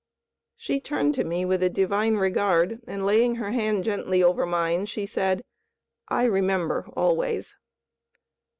She turned to me with a divine regard, and laying her hand gently over mine, she said, "I remember always."